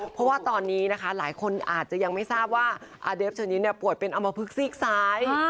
เพราะว่าตอนนี้นะคะหลายคนอาจจะยังไม่ทราบว่าอาเดฟเชอร์นี้ป่วยเป็นอมพลึกซีกซ้าย